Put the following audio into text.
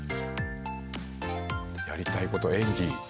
やりたいこと演技。